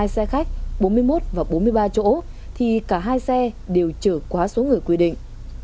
hai xe khách bốn mươi một và bốn mươi ba chỗ thì cả hai xe đều chở quá số người quy định